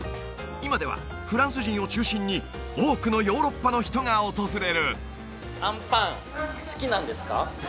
今ではフランス人を中心に多くのヨーロッパの人が訪れるあんぱん好きなんですか？